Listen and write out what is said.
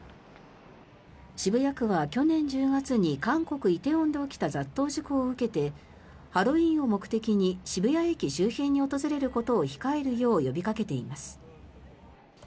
渋谷区は去年１０月に韓国・梨泰院で起きた雑踏事故を受けてハロウィーンを目的に渋谷駅周辺に訪れることを控えるよう呼びかけています。